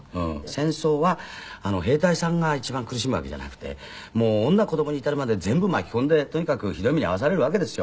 戦争は兵隊さんが一番苦しむわけじゃなくてもう女子供に至るまで全部巻き込んでとにかくひどい目に遭わされるわけですよ。